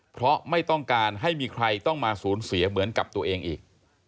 เพราะไม่ต้องการให้มีใครต้องมาสูญเสียเหมือนกับตัวเองอีก